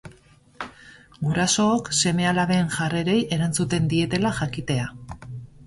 Gurasook seme-alaben jarrerei erantzuten dietela jakitea.